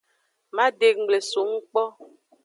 Madenggble songu kpo.